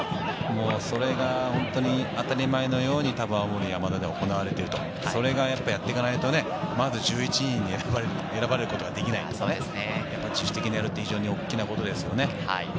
それが本当に当たり前のように多分青森山田で行われていると、それをやっていかないと、まず１１人に選ばれることはできないから、やっぱり自主的にやるって大きなことですね。